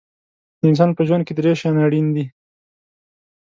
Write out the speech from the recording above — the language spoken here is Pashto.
د انسان په ژوند کې درې شیان اړین دي.